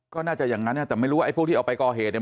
ก็น่าจะอย่างนั้นแต่ไม่รู้ว่าไอ้พวกที่เอาไปก่อเหตุเนี่ย